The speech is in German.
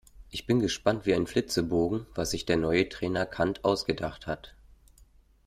Ich bin gespannt wie ein Flitzebogen, was sich der neue Trainer Kant ausgedacht hat.